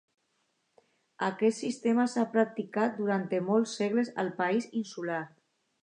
Aquest sistema s'ha practicat durant molts segles al país insular.